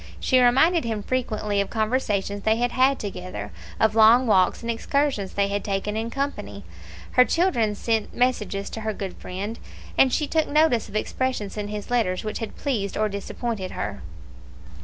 She reminded him frequently of conversations they had had together, of long walks and excursions they had taken in company; her children sent messages to her good friend, and she took notice of expressions in his letters which had pleased or disappointed her.